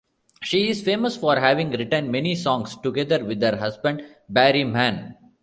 She is famous for having written many songs together with her husband Barry Mann.